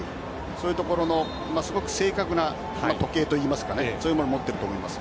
そういうところの正確な時計といいますかそういうものを持っていると思います。